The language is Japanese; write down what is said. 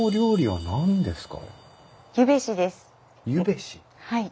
はい。